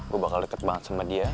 gue bakal deket banget sama dia